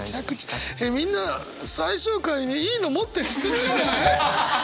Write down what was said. えっみんな最終回でいいの持ってき過ぎじゃない？